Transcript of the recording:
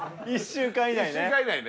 １週間以内ね。